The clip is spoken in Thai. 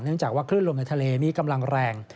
จากว่าคลื่นลมในทะเลมีกำลังแรง